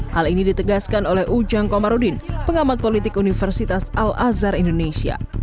hal ini ditegaskan oleh ujang komarudin pengamat politik universitas al azhar indonesia